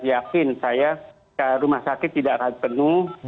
yakin saya rumah sakit tidak akan penuh